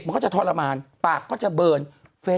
คุณหนุ่มกัญชัยได้เล่าใหญ่ใจความไปสักส่วนใหญ่แล้ว